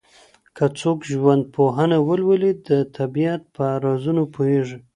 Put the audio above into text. که څوک ژوندپوهنه ولولي، د طبیعت په رازونو پوهیږي.